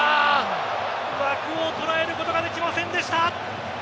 枠を捉えることができませんでした。